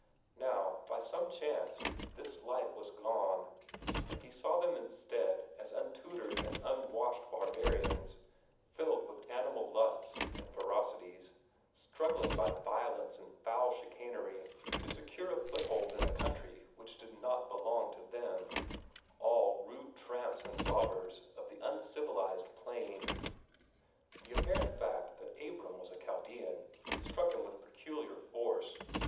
Now, by some chance, this light was gone, and he saw them instead as untutored and unwashed barbarians, filled with animal lusts and ferocities, struggling by violence and foul chicanery to secure a foothold in a country which did not belong to them all rude tramps and robbers of the uncivilized plain. The apparent fact that Abram was a Chaldean struck him with peculiar force.